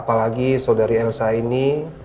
apalagi saudari elsa ini